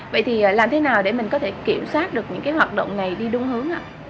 vậy thì làm thế nào để mình có thể kiểm soát được những cái hoạt động này đi đúng hướng ạ